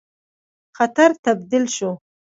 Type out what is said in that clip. خطر تبدیل شو.